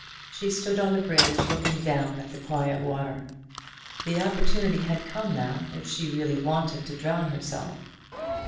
She stood on the bridge, looking down at the quiet water. The opportunity had come now, if she really wanted to drown herself.